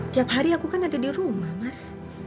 tiap hari aku kan ada di rumah mas